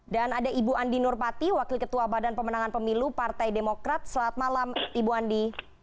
dan ada ibu andi nurpati wakil ketua badan pemenangan pemilu partai demokrat selamat malam ibu andi